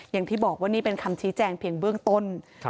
อย่างที่บอกว่านี่เป็นคำชี้แจงเพียงเบื้องต้น